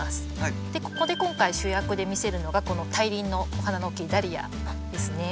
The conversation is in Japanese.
ここで今回主役で見せるのがこの大輪のお花の大きいダリアですね。